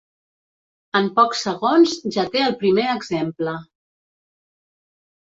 En pocs segons, ja té el primer exemple.